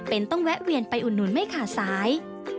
เป็นต้องแวะเวียนไปอุดหนุนไม่ขาดสาย